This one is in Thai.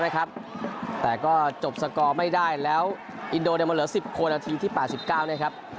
นาทีแปลบสิบเก้าครับ